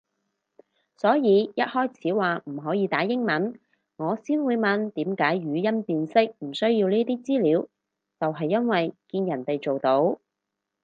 所以一開始話唔可以打英文，我先會問點解語音辨識唔需要呢啲資料就係因為見人哋做到